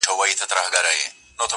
سي خوراک د توتکیو د مرغانو!.